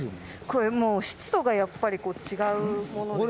これもう湿度がやっぱり違うもので。